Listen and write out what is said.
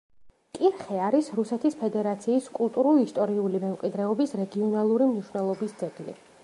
კირხე არის რუსეთის ფედერაციის კულტურულ-ისტორიული მემკვიდრეობის რეგიონალური მნიშვნელობის ძეგლი.